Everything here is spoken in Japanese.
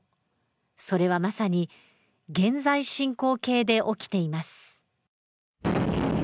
それはまさに現在進行形で起きています。